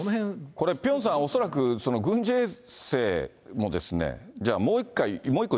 これ、ピョンさん、恐らく、軍事衛星も、じゃあもう一回、もう一個